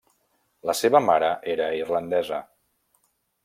La seva mare era irlandesa.